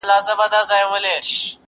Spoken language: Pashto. نه ښراوي سي تاوان ور رسولای،